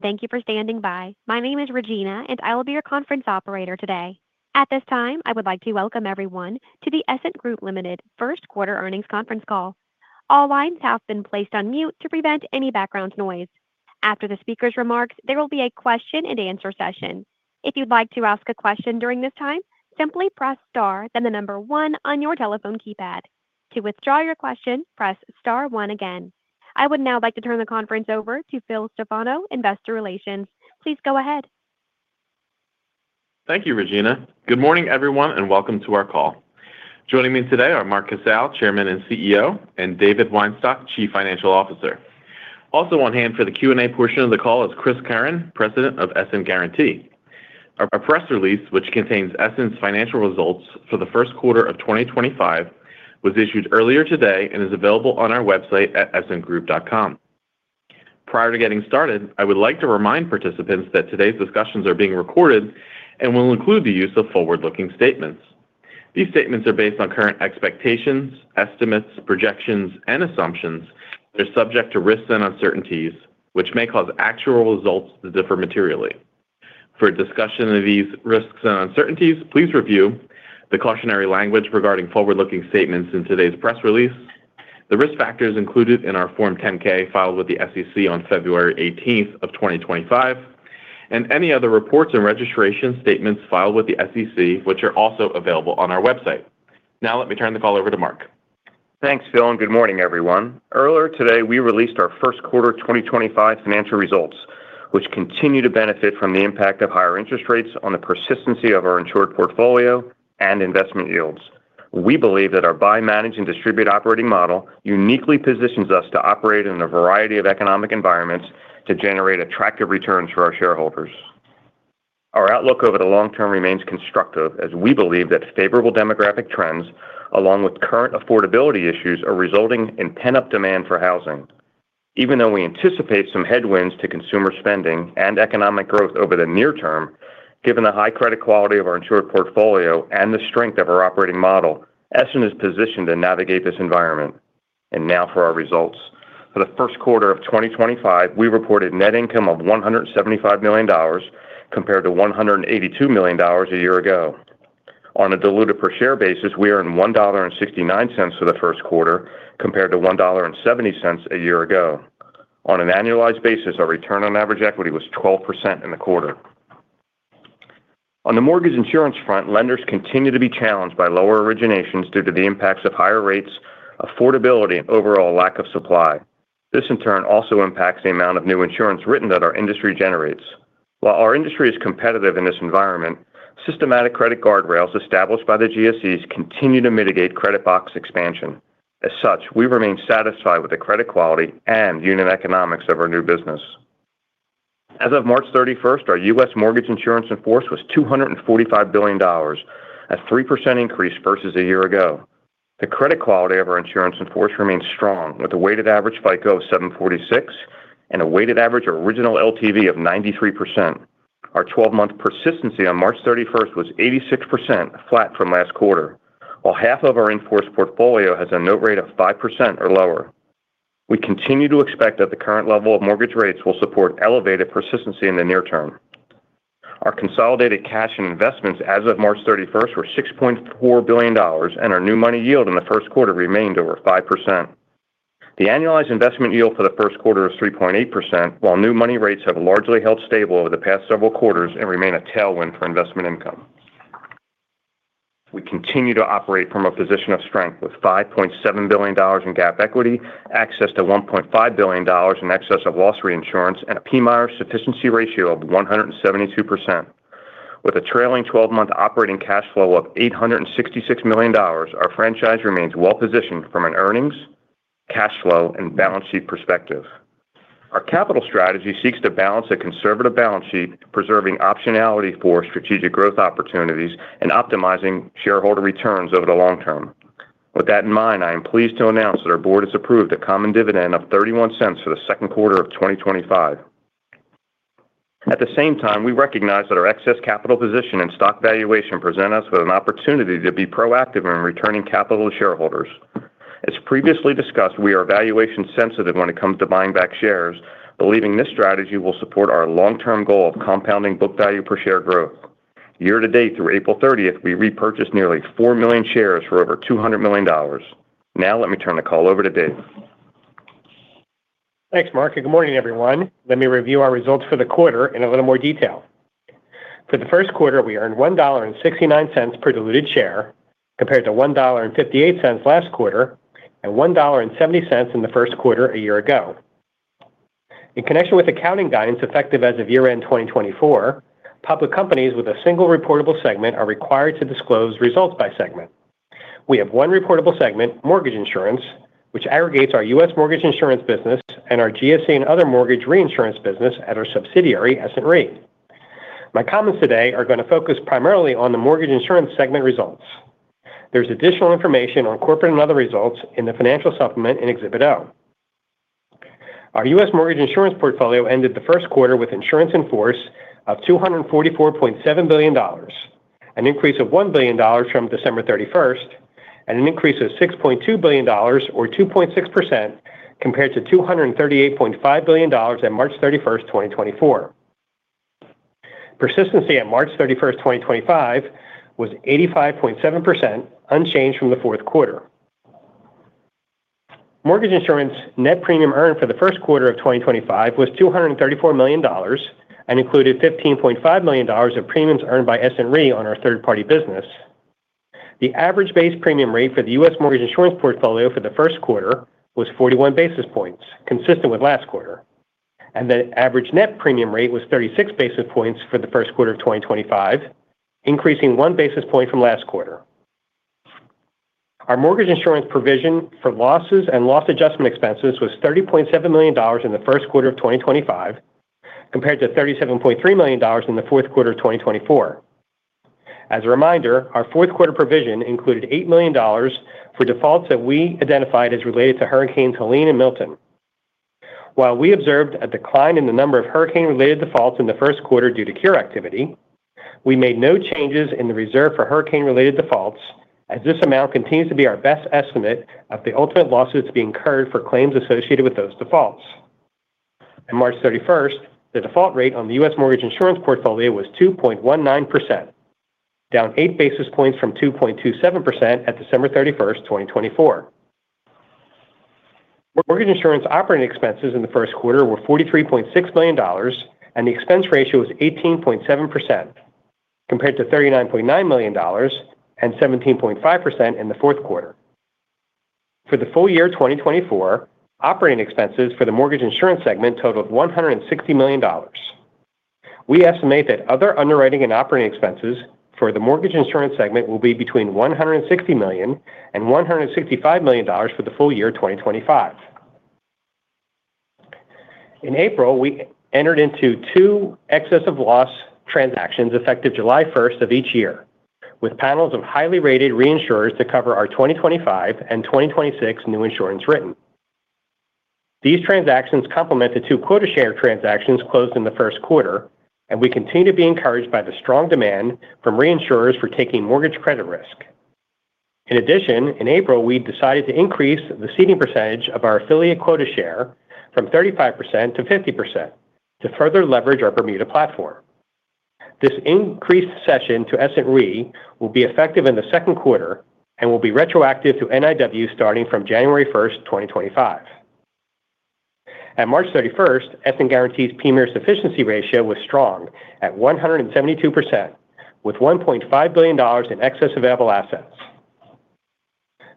Thank you for standing by. My name is Regina, and I will be your conference operator today. At this time, I would like to welcome everyone to the Essent Group Limited first quarter Earnings Conference Call. All lines have been placed on mute to prevent any background noise. After the speaker's remarks, there will be a question-and-answer session. If you'd like to ask a question during this time, simply press star, then the number one on your telephone keypad. To withdraw your question, press star one again. I would now like to turn the conference over to Phil Stefano, Investor Relations. Please go ahead. Thank you, Regina. Good morning, everyone, and welcome to our call. Joining me today are Mark Casale, Chairman and CEO, and David Weinstock, Chief Financial Officer. Also on hand for the Q&A portion of the call is Chris Curran, President of Essent Guarantee. Our press release, which contains Essent's financial results for the first quarter of 2025, was issued earlier today and is available on our website at essentgroup.com. Prior to getting started, I would like to remind participants that today's discussions are being recorded and will include the use of forward-looking statements. These statements are based on current expectations, estimates, projections, and assumptions that are subject to risks and uncertainties, which may cause actual results to differ materially. For discussion of these risks and uncertainties, please review the cautionary language regarding forward-looking statements in today's press release, the risk factors included in our Form 10-K filed with the SEC on February 18th of 2025, and any other reports and registration statements filed with the SEC, which are also available on our website. Now, let me turn the call over to Mark. Thanks, Phil. Good morning, everyone. Earlier today, we released our first quarter 2025 financial results, which continue to benefit from the impact of higher interest rates on the persistency of our insured portfolio and investment yields. We believe that our buy, manage, and distribute operating model uniquely positions us to operate in a variety of economic environments to generate attractive returns for our shareholders. Our outlook over the long term remains constructive, as we believe that favorable demographic trends, along with current affordability issues, are resulting in pent-up demand for housing. Even though we anticipate some headwinds to consumer spending and economic growth over the near term, given the high credit quality of our insured portfolio and the strength of our operating model, Essent is positioned to navigate this environment. Now for our results. For the first quarter of 2025, we reported net income of $175 million compared to $182 million a year ago. On a diluted per share basis, we earned $1.69 for the first quarter compared to $1.70 a year ago. On an annualized basis, our return on average equity was 12% in the quarter. On the mortgage insurance front, lenders continue to be challenged by lower originations due to the impacts of higher rates, affordability, and overall lack of supply. This, in turn, also impacts the amount of new insurance written that our industry generates. While our industry is competitive in this environment, systematic credit guardrails established by the GSEs continue to mitigate credit box expansion. As such, we remain satisfied with the credit quality and unit economics of our new business. As of March 31, our U.S. Mortgage insurance in force was $245 billion, a 3% increase versus a year ago. The credit quality of our insurance in force remains strong, with a weighted average FICO of 746 and a weighted average original LTV of 93%. Our 12-month persistency on March 31 was 86%, flat from last quarter, while half of our in force portfolio has a note rate of 5% or lower. We continue to expect that the current level of mortgage rates will support elevated persistency in the near term. Our consolidated cash and investments as of March 31 were $6.4 billion, and our new money yield in the first quarter remained over 5%. The annualized investment yield for the first quarter was 3.8%, while new money rates have largely held stable over the past several quarters and remain a tailwind for investment income. We continue to operate from a position of strength with $5.7 billion in GAAP equity, excess to $1.5 billion in excess of loss reinsurance, and a PMIER sufficiency ratio of 172%. With a trailing 12-month operating cash flow of $866 million, our franchise remains well-positioned from an earnings, cash flow, and balance sheet perspective. Our capital strategy seeks to balance a conservative balance sheet, preserving optionality for strategic growth opportunities and optimizing shareholder returns over the long term. With that in mind, I am pleased to announce that our board has approved a common dividend of $0.31 for the second quarter of 2025. At the same time, we recognize that our excess capital position and stock valuation present us with an opportunity to be proactive in returning capital to shareholders. As previously discussed, we are valuation sensitive when it comes to buying back shares, believing this strategy will support our long-term goal of compounding book value per share growth. Year to date, through April 30, we repurchased nearly 4 million shares for over $200 million. Now, let me turn the call over to David. Thanks, Mark. Good morning, everyone. Let me review our results for the quarter in a little more detail. For the first quarter, we earned $1.69 per diluted share compared to $1.58 last quarter and $1.70 in the first quarter a year ago. In connection with accounting guidance effective as of year-end 2024, public companies with a single reportable segment are required to disclose results by segment. We have one reportable segment, mortgage insurance, which aggregates our U.S. mortgage insurance business and our GSE and other mortgage reinsurance business at our subsidiary, Essent Re. My comments today are going to focus primarily on the mortgage insurance segment results. There is additional information on corporate and other results in the financial supplement in Exhibit O. Our U.S. Mortgage insurance portfolio ended the first quarter with insurance in force of $244.7 billion, an increase of $1 billion from December 31, and an increase of $6.2 billion, or 2.6%, compared to $238.5 billion at March 31, 2024. Persistency at March 31, 2025, was 85.7%, unchanged from the fourth quarter. Mortgage insurance net premium earned for the first quarter of 2025 was $234 million and included $15.5 million of premiums earned by Essent Re on our third-party business. The average base premium rate for the U.S. mortgage insurance portfolio for the first quarter was 41 basis points, consistent with last quarter. The average net premium rate was 36 basis points for the first quarter of 2025, increasing one basis point from last quarter. Our mortgage insurance provision for losses and loss adjustment expenses was $30.7 million in the first quarter of 2025, compared to $37.3 million in the fourth quarter of 2024. As a reminder, our fourth quarter provision included $8 million for defaults that we identified as related to Hurricanes Helene and Milton. While we observed a decline in the number of hurricane-related defaults in the first quarter due to cure activity, we made no changes in the reserve for hurricane-related defaults, as this amount continues to be our best estimate of the ultimate losses being incurred for claims associated with those defaults. On March 31st, the default rate on the U.S. mortgage insurance portfolio was 2.19%, down 8 basis points from 2.27% at December 31st, 2024. Mortgage insurance operating expenses in the first quarter were $43.6 million, and the expense ratio was 18.7%, compared to $39.9 million and 17.5% in the fourth quarter. For the full year 2024, operating expenses for the mortgage insurance segment totaled $160 million. We estimate that other underwriting and operating expenses for the mortgage insurance segment will be between $160 million and $165 million for the full year 2025. In April, we entered into two excessive loss transactions effective July 1st of each year, with panels of highly rated reinsurers to cover our 2025 and 2026 new insurance written. These transactions complement the two quota share transactions closed in the first quarter, and we continue to be encouraged by the strong demand from reinsurers for taking mortgage credit risk. In addition, in April, we decided to increase the ceding percentage of our affiliate quota share from 35% to 50% to further leverage our Bermuda platform. This increased session to Essent Re will be effective in the second quarter and will be retroactive to NIW starting from January 1, 2025. At March 31, Essent Guaranty's PMIER sufficiency ratio was strong at 172%, with $1.5 billion in excess available assets.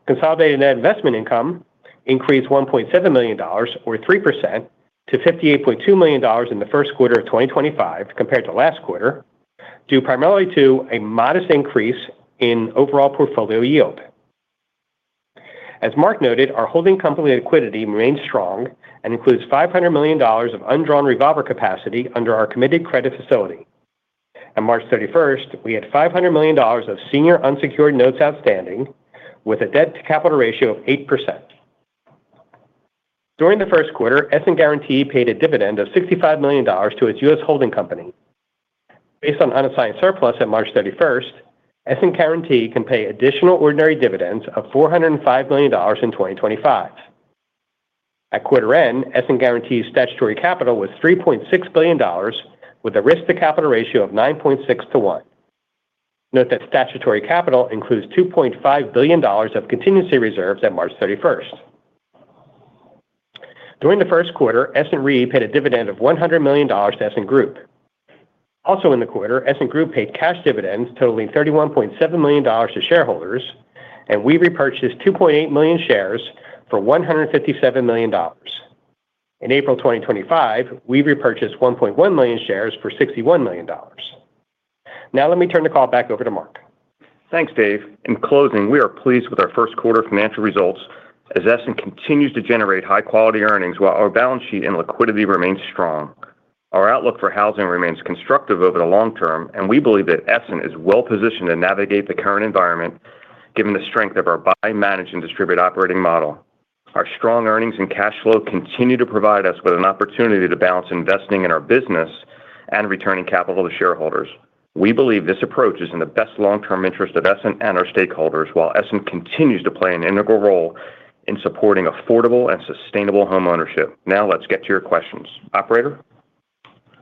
Consolidated net investment income increased $1.7 million, or 3%, to $58.2 million in the first quarter of 2025 compared to last quarter, due primarily to a modest increase in overall portfolio yield. As Mark noted, our holding company liquidity remains strong and includes $500 million of undrawn revolver capacity under our committed credit facility. On March 31, we had $500 million of senior unsecured notes outstanding, with a debt-to-capital ratio of 8%. During the first quarter, Essent Guaranty paid a dividend of $65 million to its U.S. holding company. Based on unassigned surplus at March 31, Essent Guaranty can pay additional ordinary dividends of $405 million in 2025. At quarter end, Essent Guaranty's statutory capital was $3.6 billion, with a risk-to-capital ratio of 9.6 to 1. Note that statutory capital includes $2.5 billion of contingency reserves at March 31. During the first quarter, Essent Re paid a dividend of $100 million to Essent Group. Also in the quarter, Essent Group paid cash dividends totaling $31.7 million to shareholders, and we repurchased 2.8 million shares for $157 million. In April 2025, we repurchased 1.1 million shares for $61 million. Now, let me turn the call back over to Mark. Thanks, Dave. In closing, we are pleased with our first quarter financial results as Essent continues to generate high-quality earnings while our balance sheet and liquidity remain strong. Our outlook for housing remains constructive over the long term, and we believe that Essent is well-positioned to navigate the current environment given the strength of our buy, manage, and distribute operating model. Our strong earnings and cash flow continue to provide us with an opportunity to balance investing in our business and returning capital to shareholders. We believe this approach is in the best long-term interest of Essent and our stakeholders while Essent continues to play an integral role in supporting affordable and sustainable homeownership. Now, let's get to your questions. Operator?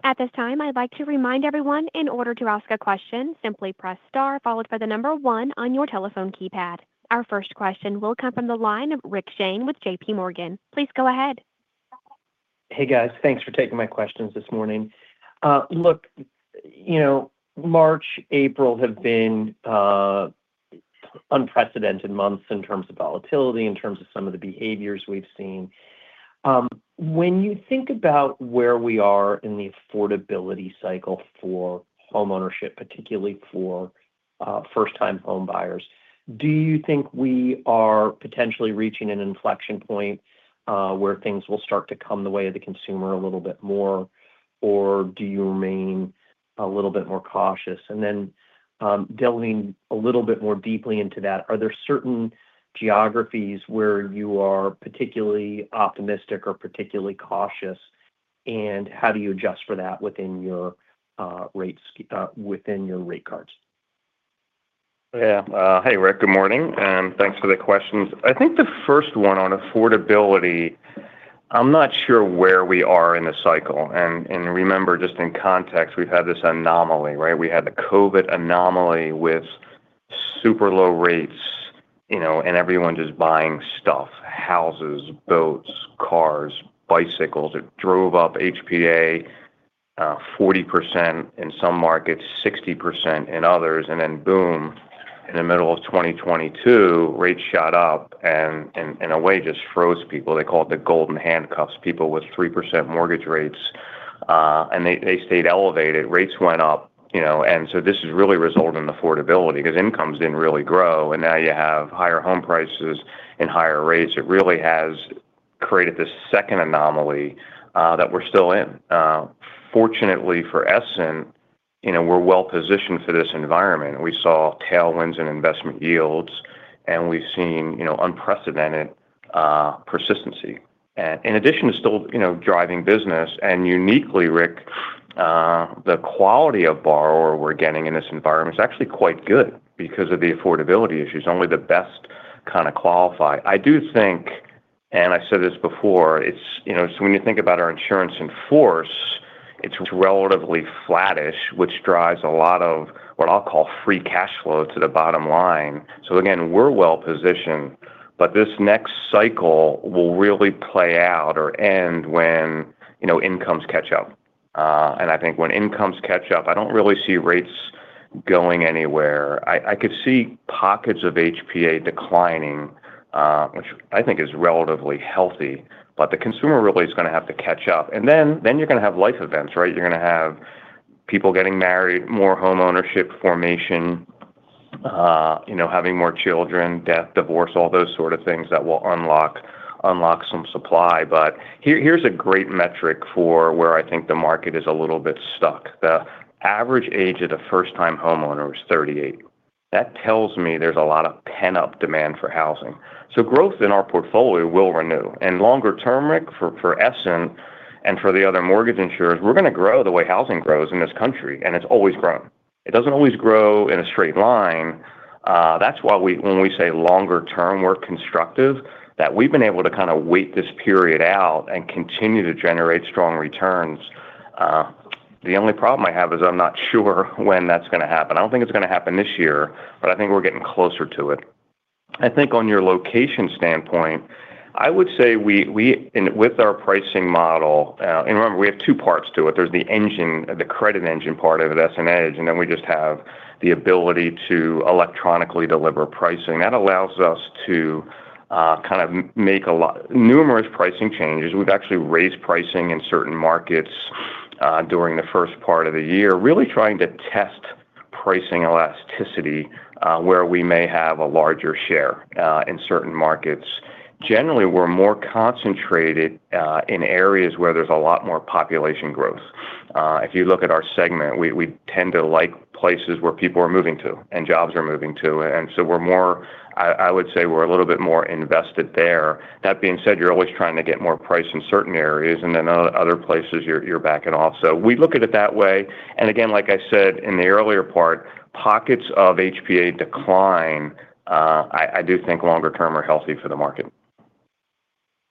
At this time, I'd like to remind everyone in order to ask a question, simply press star followed by the number one on your telephone keypad. Our first question will come from the line of Rick Shane with JP Morgan. Please go ahead. Hey, guys. Thanks for taking my questions this morning. Look, you know, March, April have been unprecedented months in terms of volatility, in terms of some of the behaviors we've seen. When you think about where we are in the affordability cycle for homeownership, particularly for first-time home buyers, do you think we are potentially reaching an inflection point where things will start to come the way of the consumer a little bit more, or do you remain a little bit more cautious? Delving a little bit more deeply into that, are there certain geographies where you are particularly optimistic or particularly cautious, and how do you adjust for that within your rate cards? Yeah. Hey, Rick. Good morning. And thanks for the questions. I think the first one on affordability, I'm not sure where we are in the cycle. And remember, just in context, we've had this anomaly, right? We had the COVID anomaly with super low rates, you know, and everyone just buying stuff: houses, boats, cars, bicycles. It drove up HPA 40% in some markets, 60% in others. And then, boom, in the middle of 2022, rates shot up and, in a way, just froze people. They called it the golden handcuffs. People with 3% mortgage rates, and they stayed elevated. Rates went up, you know. And so this has really resulted in affordability because incomes didn't really grow. And now you have higher home prices and higher rates. It really has created the second anomaly that we're still in. Fortunately for Essent, you know, we're well-positioned for this environment. We saw tailwinds in investment yields, and we've seen, you know, unprecedented persistency. And in addition to still, you know, driving business, and uniquely, Rick, the quality of borrower we're getting in this environment is actually quite good because of the affordability issues. Only the best kind of qualify. I do think, and I said this before, it's, you know, so when you think about our insurance in force, it's relatively flattish, which drives a lot of what I'll call free cash flow to the bottom line. Again, we're well-positioned, but this next cycle will really play out or end when, you know, incomes catch up. I think when incomes catch up, I don't really see rates going anywhere. I could see pockets of HPA declining, which I think is relatively healthy, but the consumer really is going to have to catch up. You're going to have life events, right? You're going to have people getting married, more homeownership formation, you know, having more children, death, divorce, all those sort of things that will unlock some supply. Here's a great metric for where I think the market is a little bit stuck. The average age of the first-time homeowner is 38. That tells me there's a lot of pent-up demand for housing. Growth in our portfolio will renew. Longer-term, Rick, for Essent and for the other mortgage insurers, we're going to grow the way housing grows in this country, and it's always grown. It doesn't always grow in a straight line. That's why when we say longer-term, we're constructive, that we've been able to kind of wait this period out and continue to generate strong returns. The only problem I have is I'm not sure when that's going to happen. I don't think it's going to happen this year, but I think we're getting closer to it. I think on your location standpoint, I would say we, with our pricing model, and remember, we have two parts to it. There's the engine, the credit engine part of it, that's an edge, and then we just have the ability to electronically deliver pricing. That allows us to kind of make numerous pricing changes. We've actually raised pricing in certain markets during the first part of the year, really trying to test pricing elasticity where we may have a larger share in certain markets. Generally, we're more concentrated in areas where there's a lot more population growth. If you look at our segment, we tend to like places where people are moving to and jobs are moving to. We are more, I would say we are a little bit more invested there. That being said, you are always trying to get more price in certain areas, and then other places you are backing off. We look at it that way. Again, like I said in the earlier part, pockets of HPA decline, I do think longer-term are healthy for the market.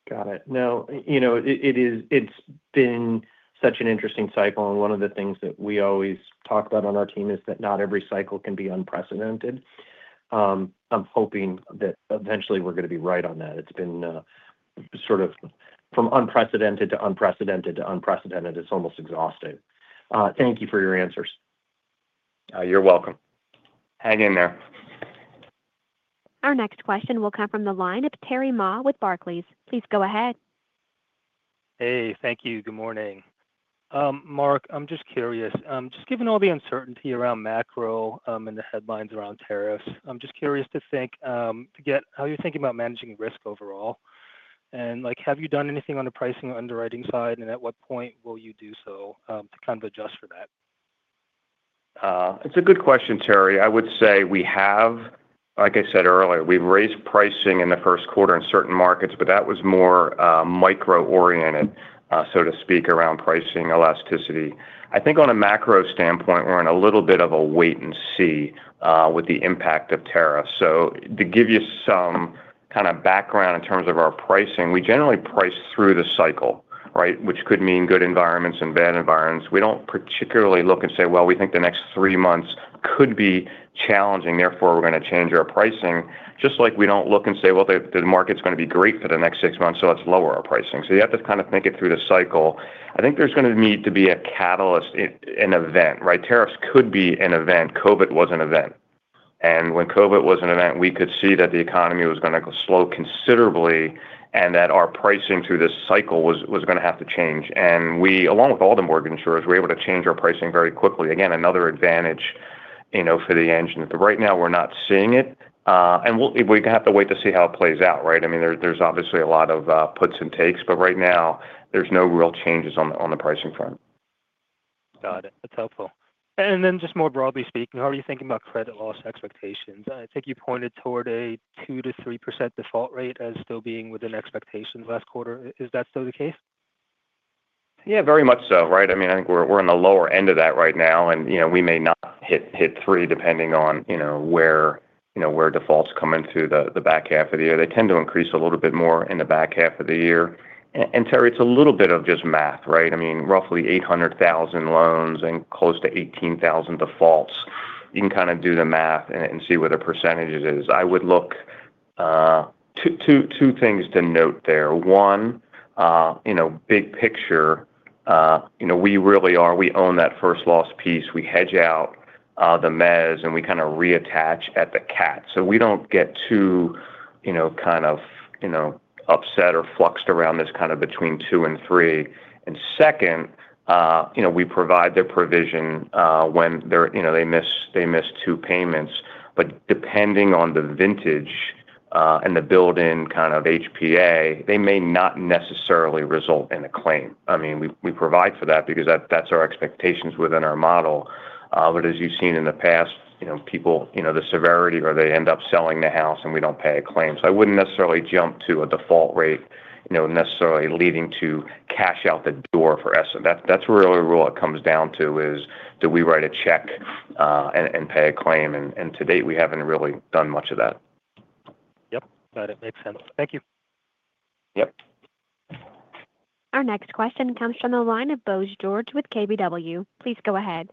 Got it. No, you know, it's been such an interesting cycle, and one of the things that we always talk about on our team is that not every cycle can be unprecedented. I'm hoping that eventually we're going to be right on that. It's been sort of from unprecedented to unprecedented to unprecedented. It's almost exhausting. Thank you for your answers. You're welcome. Hang in there. Our next question will come from the line of Terry Ma with Barclays. Please go ahead. Hey, thank you. Good morning. Mark, I'm just curious. Just given all the uncertainty around macro and the headlines around tariffs, I'm just curious to get how you're thinking about managing risk overall. Like, have you done anything on the pricing or underwriting side, and at what point will you do so to kind of adjust for that? It's a good question, Terry. I would say we have, like I said earlier, we've raised pricing in the first quarter in certain markets, but that was more micro-oriented, so to speak, around pricing elasticity. I think on a macro standpoint, we're in a little bit of a wait-and-see with the impact of tariffs. To give you some kind of background in terms of our pricing, we generally price through the cycle, right, which could mean good environments and bad environments. We do not particularly look and say, well, we think the next three months could be challenging. Therefore, we're going to change our pricing, just like we do not look and say, well, the market's going to be great for the next six months, so let's lower our pricing. You have to kind of think it through the cycle. I think there's going to need to be a catalyst, an event, right? Tariffs could be an event. COVID was an event. When COVID was an event, we could see that the economy was going to slow considerably and that our pricing through this cycle was going to have to change. We, along with all the mortgage insurers, were able to change our pricing very quickly. Again, another advantage, you know, for the engine. Right now, we're not seeing it, and we have to wait to see how it plays out, right? I mean, there's obviously a lot of puts and takes, but right now, there's no real changes on the pricing front. Got it. That's helpful. And then just more broadly speaking, how are you thinking about credit loss expectations? I think you pointed toward a 2-3% default rate as still being within expectations last quarter. Is that still the case? Yeah, very much so, right? I mean, I think we're in the lower end of that right now, and, you know, we may not hit 3 depending on, you know, where defaults come into the back half of the year. They tend to increase a little bit more in the back half of the year. Terry, it's a little bit of just math, right? I mean, roughly 800,000 loans and close to 18,000 defaults. You can kind of do the math and see what a percentage it is. I would look at two things to note there. One, you know, big picture, you know, we really are, we own that first loss piece. We hedge out the mezz, and we kind of reattach at the cat. We don't get too, you know, kind of, you know, upset or fluxed around this kind of between 2 and 3. Second, you know, we provide the provision when they miss two payments. Depending on the vintage and the built-in kind of HPA, they may not necessarily result in a claim. I mean, we provide for that because that's our expectations within our model. As you've seen in the past, you know, people, you know, the severity where they end up selling the house and we do not pay a claim. I would not necessarily jump to a default rate, you know, necessarily leading to cash out the door for Essent. That is really what it comes down to, do we write a check and pay a claim? To date, we have not really done much of that. Yep. Got it. Makes sense. Thank you. Yep. Our next question comes from the line of Bose George with KBW. Please go ahead.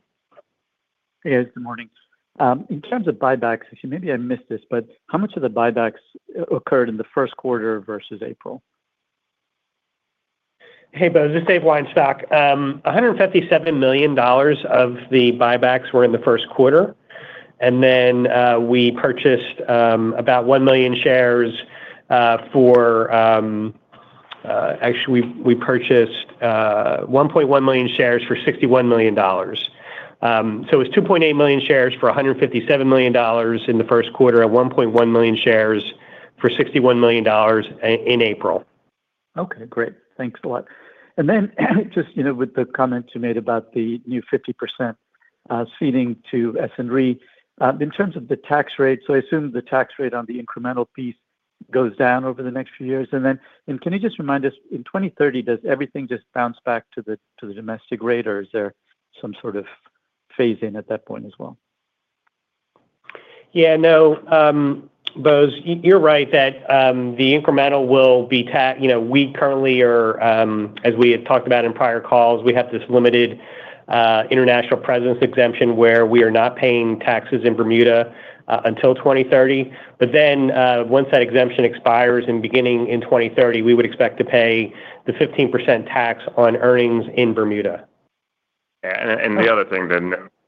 Hey, guys. Good morning. In terms of buybacks, maybe I missed this, but how much of the buybacks occurred in the first quarter versus April? Hey, Bose. This is Dave Weinstock. $157 million of the buybacks were in the first quarter. We purchased about 1 million shares for, actually, we purchased 1.1 million shares for $61 million. It was 2.8 million shares for $157 million in the first quarter and 1.1 million shares for $61 million in April. Okay. Great. Thanks a lot. And then just, you know, with the comment you made about the new 50% ceding to S&R, in terms of the tax rate, so I assume the tax rate on the incremental piece goes down over the next few years. And then can you just remind us, in 2030, does everything just bounce back to the domestic rate, or is there some sort of phase-in at that point as well? Yeah. No, Bose, you're right that the incremental will be, you know, we currently are, as we have talked about in prior calls, we have this limited international presence exemption where we are not paying taxes in Bermuda until 2030. Then once that exemption expires and beginning in 2030, we would expect to pay the 15% tax on earnings in Bermuda. Yeah. The other thing to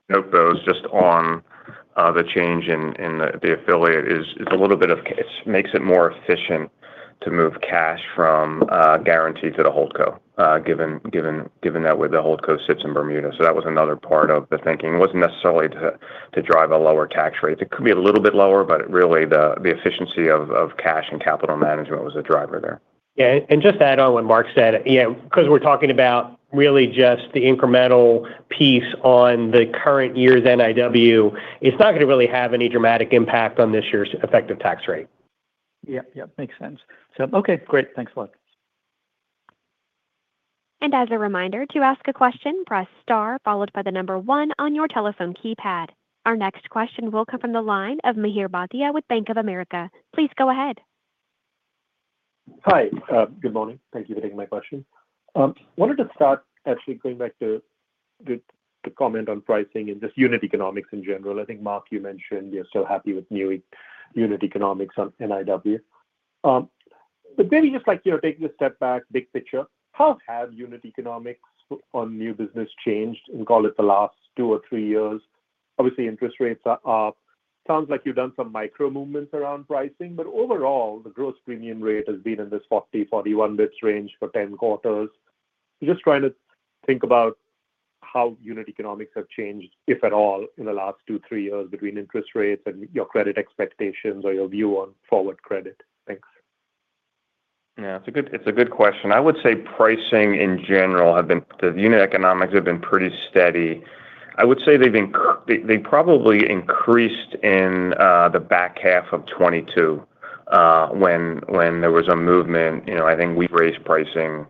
note, Bose, is just on the change in the affiliate, it's a little bit of, it makes it more efficient to move cash from Guaranty to the hold co, given that where the hold co sits in Bermuda. That was another part of the thinking. It wasn't necessarily to drive a lower tax rate. It could be a little bit lower, but really the efficiency of cash and capital management was the driver there. Yeah. Just to add on what Mark said, yeah, because we're talking about really just the incremental piece on the current year's NIW, it's not going to really have any dramatic impact on this year's effective tax rate. Yeah. Yep. Makes sense. Okay. Great. Thanks a lot. As a reminder, to ask a question, press star followed by the number one on your telephone keypad. Our next question will come from the line of Mihir Bhatia with Bank of America. Please go ahead. Hi. Good morning. Thank you for taking my question. I wanted to start actually going back to the comment on pricing and just unit economics in general. I think, Mark, you mentioned you're still happy with new unit economics on NIW. But maybe just like, you know, taking a step back, big picture, how have unit economics on new business changed in, call it, the last two or three years? Obviously, interest rates are up. Sounds like you've done some micro-movements around pricing, but overall, the gross premium rate has been in this 40, 41 basis points range for 10 quarters. Just trying to think about how unit economics have changed, if at all, in the last two, three years between interest rates and your credit expectations or your view on forward credit. Thanks. Yeah. It's a good question. I would say pricing in general have been, the unit economics have been pretty steady. I would say they probably increased in the back half of 2022 when there was a movement. You know, I think we raised pricing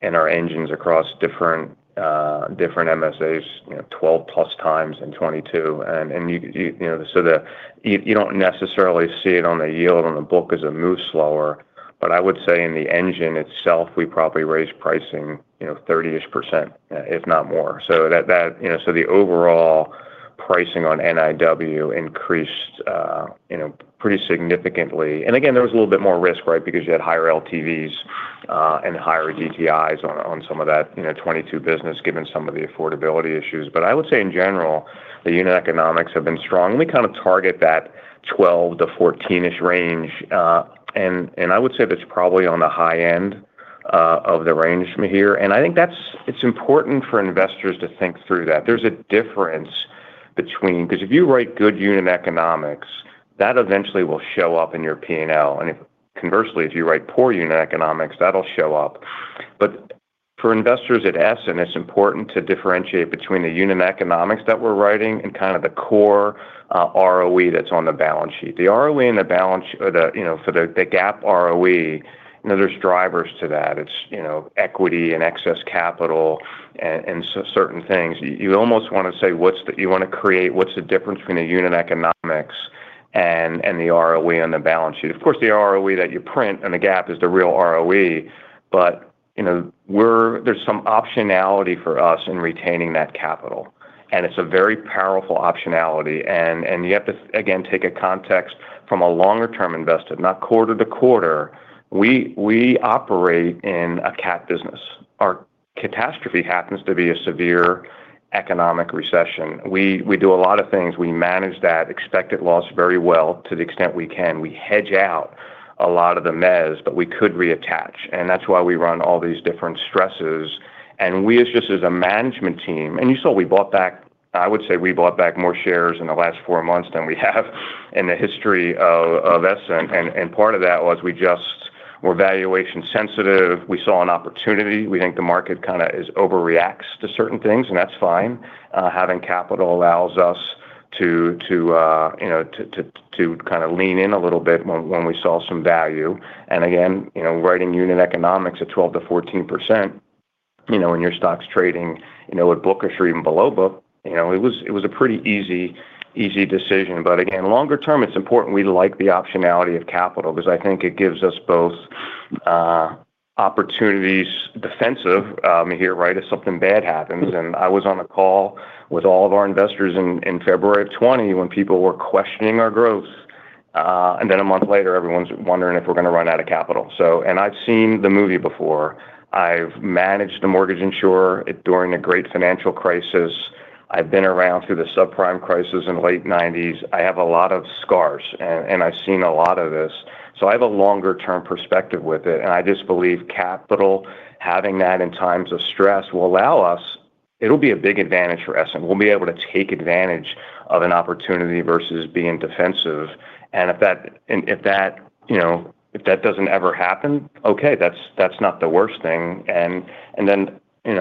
in our engines across different MSAs, you know, 12-plus times in 2022. You know, you do not necessarily see it on the yield on the book as a move slower, but I would say in the engine itself, we probably raised pricing, you know, 30-ish %, if not more. That, you know, the overall pricing on NIW increased, you know, pretty significantly. Again, there was a little bit more risk, right, because you had higher LTVs and higher DTIs on some of that 2022 business, given some of the affordability issues. I would say in general, the unit economics have been strong. We kind of target that 12-14% range. I would say that's probably on the high end of the range, Mihir. I think it's important for investors to think through that. There's a difference, because if you write good unit economics, that eventually will show up in your P&L. Conversely, if you write poor unit economics, that'll show up. For investors at Essent, it's important to differentiate between the unit economics that we're writing and kind of the core ROE that's on the balance sheet. The ROE and the balance, you know, for the GAAP ROE, you know, there are drivers to that. It's equity and excess capital and certain things. You almost want to say, what's the, you want to create, what's the difference between the unit economics and the ROE on the balance sheet? Of course, the ROE that you print on the GAAP is the real ROE, but, you know, there's some optionality for us in retaining that capital. And it's a very powerful optionality. You have to, again, take a context from a longer-term investor, not quarter to quarter. We operate in a cap business. Our catastrophe happens to be a severe economic recession. We do a lot of things. We manage that expected loss very well to the extent we can. We hedge out a lot of the mezz, but we could reattach. That's why we run all these different stresses. It is just as a management team, and you saw we bought back, I would say we bought back more shares in the last four months than we have in the history of Essent. Part of that was we just were valuation sensitive. We saw an opportunity. We think the market kind of overreacts to certain things, and that is fine. Having capital allows us to, you know, to kind of lean in a little bit when we saw some value. Again, you know, writing unit economics at 12%-14%, you know, when your stock is trading, you know, at book or even below book, you know, it was a pretty easy decision. Again, longer term, it is important we like the optionality of capital because I think it gives us both opportunities defensive, Mihir, right, if something bad happens. I was on a call with all of our investors in February of 2020 when people were questioning our growth. A month later, everyone's wondering if we're going to run out of capital. I've seen the movie before. I've managed a mortgage insurer during a great financial crisis. I've been around through the subprime crisis in the late 1990s. I have a lot of scars, and I've seen a lot of this. I have a longer-term perspective with it. I just believe capital, having that in times of stress, will allow us, it'll be a big advantage for Essent. We'll be able to take advantage of an opportunity versus being defensive. If that, you know, if that doesn't ever happen, okay, that's not the worst thing. Conversely, you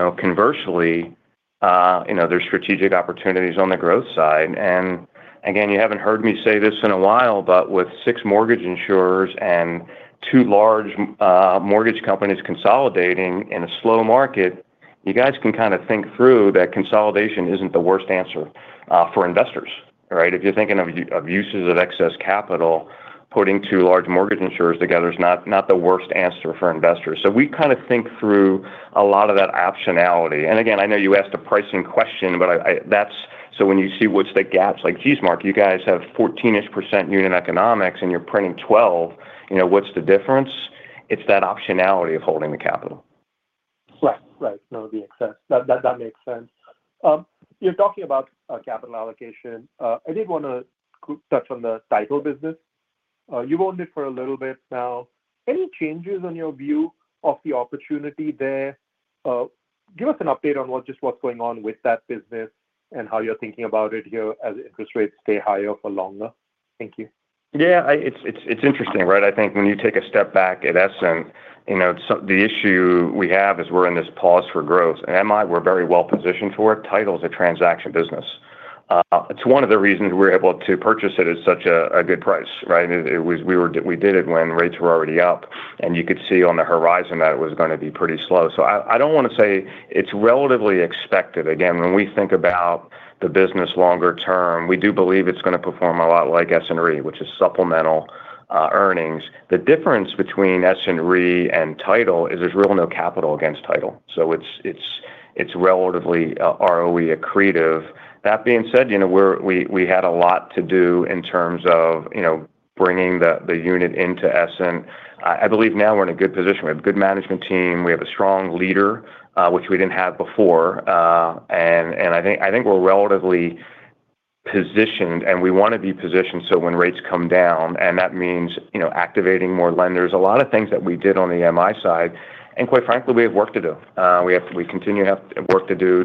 know, there's strategic opportunities on the growth side. Again, you have not heard me say this in a while, but with six mortgage insurers and two large mortgage companies consolidating in a slow market, you guys can kind of think through that consolidation is not the worst answer for investors, right? If you are thinking of uses of excess capital, putting two large mortgage insurers together is not the worst answer for investors. We kind of think through a lot of that optionality. I know you asked a pricing question, but that is, when you see what is the gaps, like, geez, Mark, you guys have 14% unit economics and you are printing 12, you know, what is the difference? It is that optionality of holding the capital. Right. Right. No, that makes sense. You're talking about capital allocation. I did want to touch on the title business. You've owned it for a little bit now. Any changes in your view of the opportunity there? Give us an update on just what's going on with that business and how you're thinking about it here as interest rates stay higher for longer. Thank you. Yeah. It's interesting, right? I think when you take a step back at Essent, you know, the issue we have is we're in this pause for growth. And am I? We're very well positioned for it. Title is a transaction business. It's one of the reasons we're able to purchase it at such a good price, right? We did it when rates were already up. You could see on the horizon that it was going to be pretty slow. I don't want to say it's relatively expected. Again, when we think about the business longer term, we do believe it's going to perform a lot like S&R, which is supplemental earnings. The difference between S&R and title is there's really no capital against title. It's relatively ROE accretive. That being said, you know, we had a lot to do in terms of, you know, bringing the unit into Essent. I believe now we're in a good position. We have a good management team. We have a strong leader, which we didn't have before. I think we're relatively positioned, and we want to be positioned so when rates come down, and that means, you know, activating more lenders, a lot of things that we did on the MI side. Quite frankly, we have work to do. We continue to have work to do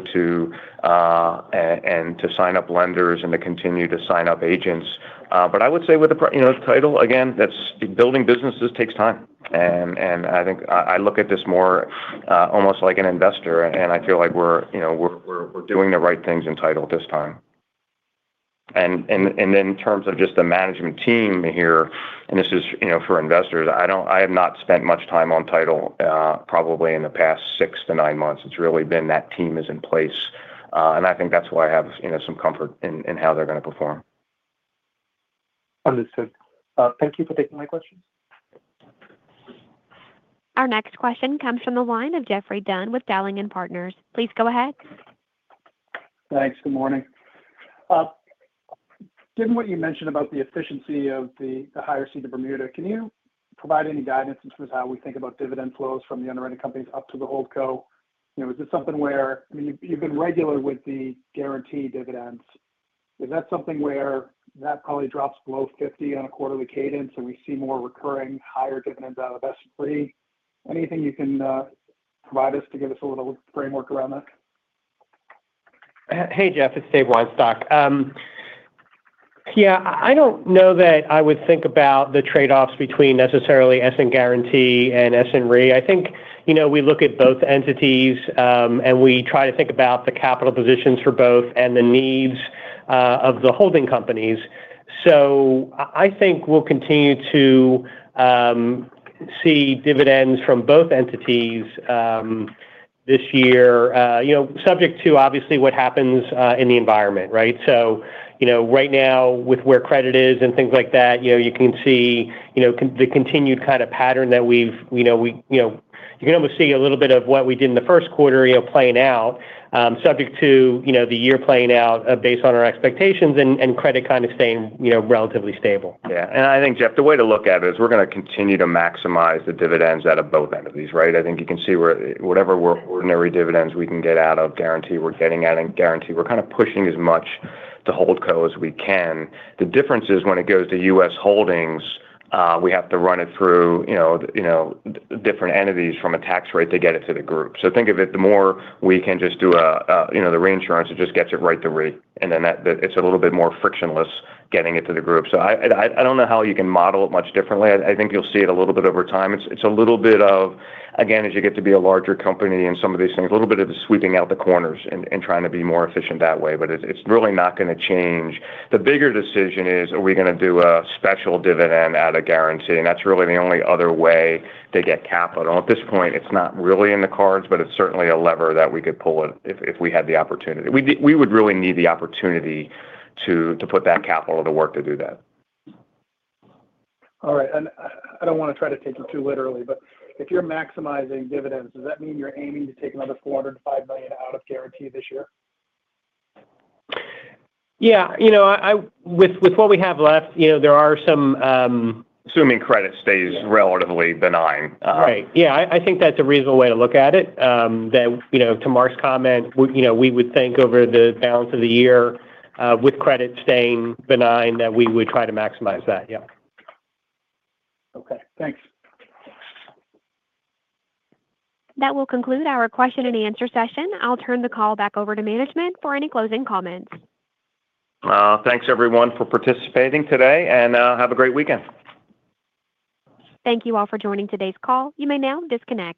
and to sign up lenders and to continue to sign up agents. I would say with the, you know, title, again, that's building businesses takes time. I think I look at this more almost like an investor, and I feel like we're, you know, we're doing the right things in title this time. In terms of just the management team here, and this is, you know, for investors, I have not spent much time on title probably in the past six to nine months. It's really been that team is in place. I think that's why I have, you know, some comfort in how they're going to perform. Understood. Thank you for taking my questions. Our next question comes from the line of Jeffrey Dunn with Dowling & Partners. Please go ahead. Thanks. Good morning. Given what you mentioned about the efficiency of the higher seat of Bermuda, can you provide any guidance as far as how we think about dividend flows from the underwriting companies up to the hold co? You know, is this something where, I mean, you've been regular with the guaranteed dividends. Is that something where that probably drops below 50 on a quarterly cadence and we see more recurring higher dividends out of S&R? Anything you can provide us to give us a little framework around that? Hey, Jeff, it's Dave Weinstock. Yeah. I don't know that I would think about the trade-offs between necessarily Essent Guarantee and Essent Re. I think, you know, we look at both entities and we try to think about the capital positions for both and the needs of the holding companies. I think we'll continue to see dividends from both entities this year, you know, subject to obviously what happens in the environment, right? Right now with where credit is and things like that, you know, you can see the continued kind of pattern that we've, you know, you can almost see a little bit of what we did in the first quarter playing out, subject to the year playing out based on our expectations and credit kind of staying relatively stable. Yeah. I think, Jeff, the way to look at it is we're going to continue to maximize the dividends out of both entities, right? I think you can see whatever ordinary dividends we can get out of Guarantee, we're getting out of Guarantee. We're kind of pushing as much to Hold Co as we can. The difference is when it goes to U.S. Holdings, we have to run it through, you know, different entities from a tax rate to get it to the group. Think of it, the more we can just do a, you know, the reinsurance, it just gets it right to Re. And then it's a little bit more frictionless getting it to the group. I don't know how you can model it much differently. I think you'll see it a little bit over time. It's a little bit of, again, as you get to be a larger company and some of these things, a little bit of the sweeping out the corners and trying to be more efficient that way. It is really not going to change. The bigger decision is, are we going to do a special dividend out of Guarantee? That is really the only other way to get capital. At this point, it is not really in the cards, but it is certainly a lever that we could pull if we had the opportunity. We would really need the opportunity to put that capital to work to do that. All right. I do not want to try to take it too literally, but if you are maximizing dividends, does that mean you are aiming to take another $405 million out of Guarantee this year? Yeah. You know, with what we have left, you know, there are some. Assuming credit stays relatively benign. Right. Yeah. I think that's a reasonable way to look at it. That, you know, to Mark's comment, you know, we would think over the balance of the year with credit staying benign that we would try to maximize that. Yeah. Okay. Thanks. That will conclude our question and answer session. I'll turn the call back over to management for any closing comments. Thanks, everyone, for participating today. Have a great weekend. Thank you all for joining today's call. You may now disconnect.